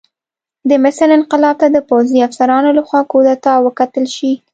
د مصر انقلاب ته د پوځي افسرانو لخوا کودتا وکتل شي.